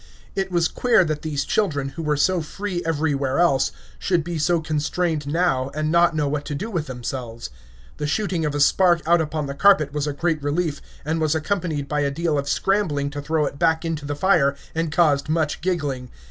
It was queer that these children, who were so free everywhere else, should be so constrained now, and not know what to do with themselves. The shooting of a spark out upon the carpet was a great relief, and was accompanied by a deal of scrambling to throw it back into the fire, and caused much giggling.